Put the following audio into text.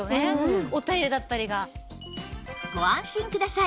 ご安心ください